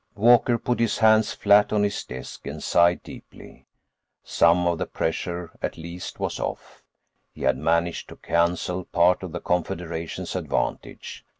———— Walker put his hands flat on his desk and sighed deeply. Some of the pressure, at least, was off; he had managed to cancel part of the Confederation's advantage.